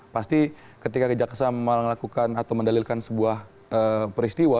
pasti ketika kejaksaan melakukan atau mendalilkan sebuah peristiwa